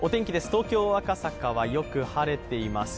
東京・赤坂はよく晴れています。